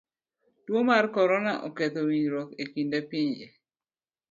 Tuo mar korona oketho winjruok e kind pinje.